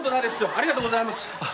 ありがとうございます。